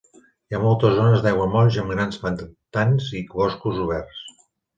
Hi ha moltes zones d'aiguamolls amb grans pantans i boscos oberts.